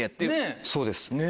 そうです。